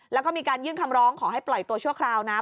แล้วก็มีการยื่นคำร้องขอให้ปล่อยตัวชั่วคราวนะ